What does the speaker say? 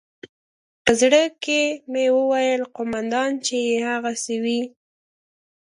په زړه کښې مې وويل قومندان چې يې هغسې وي.